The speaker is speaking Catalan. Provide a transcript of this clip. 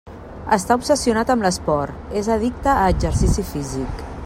Està obsessionat amb l'esport: és addicte a exercici físic.